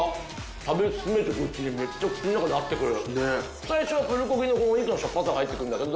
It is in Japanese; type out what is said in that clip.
食べ進めていくうちにめっちゃ口の中で合ってくる。